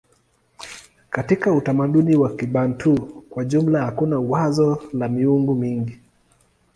Katika utamaduni wa Kibantu kwa jumla hakuna wazo la miungu mingi.